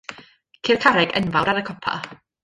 Ceir carreg enfawr ar y copa.